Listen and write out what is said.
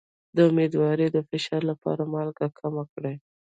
د امیدوارۍ د فشار لپاره مالګه کمه کړئ